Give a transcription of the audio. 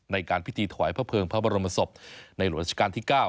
ในการพิธีถวายพระเภิงพระบรมศพในหลวงราชการที่๙